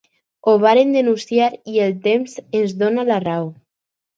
Ho vàrem denunciar i el temps ens dóna la raó.